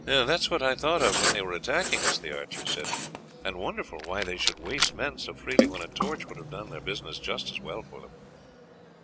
"That is what I thought of when they were attacking us," the archer said, "and wondered why they should waste men so freely when a torch would have done their business just as well for them."